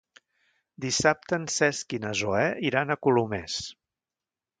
Dissabte en Cesc i na Zoè iran a Colomers.